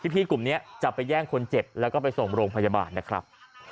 พี่กลุ่มนี้จะไปแย่งคนเจ็บแล้วก็ไปส่งโรงพยาบาลนะครับ